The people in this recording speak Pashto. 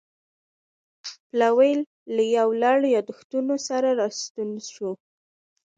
پلاوی له یو لړ یادښتونو سره راستون شو.